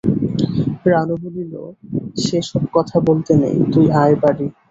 রানু বলিল, সে সব কথা বলতে নেই-তুই আয় বাড়ি।